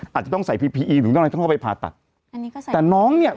อาจจะต้องใส่พีพีอีหรือต้องอะไรต้องเข้าไปผ่าตัดอันนี้ก็ใส่แต่น้องเนี้ย